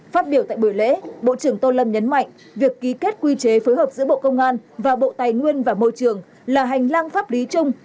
phát biểu tại buổi lễ bộ trưởng tô lâm nhấn mạnh việc ký kết quy chế phối hợp giữa bộ công an và bộ tài nguyên và môi trường là hành lang pháp lý chung